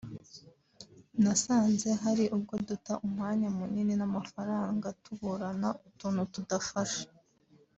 nasanze hari ubwo duta umwanya munini n’amafaranga tuburana utuntu tudafashe